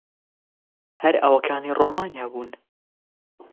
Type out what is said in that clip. هەر ئەوەکانی ڕۆمانیا بوون.